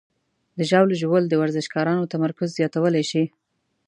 د ژاولې ژوول د ورزشکارانو تمرکز زیاتولی شي.